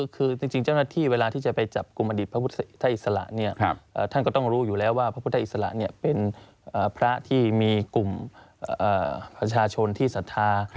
คือจริงเจ้าหน้าที่เวลาที่จะไปจับกลุ่มอดีตพระพุทธอิสระท่านก็ต้องรู้อยู่แล้วว่าพระพุทธอิสระเป็นพระที่มีกลุ่มประชาชนที่ศรัทธา